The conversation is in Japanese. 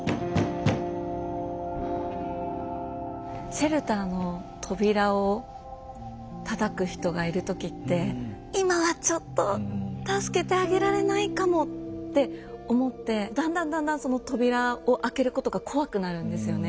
シェルターの扉をたたく人がいる時って「今はちょっと助けてあげられないかも」って思ってだんだんだんだんその扉を開けることが怖くなるんですよね。